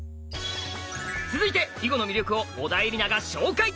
続いて囲碁の魅力を小田えりなが紹介！